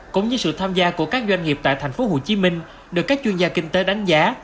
cũng như sự tham gia của các doanh nghiệp tại thành phố hồ chí minh được các chuyên gia kinh tế đánh giá